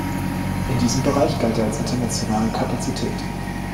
In diesem Bereich galt er als internationale Kapazität.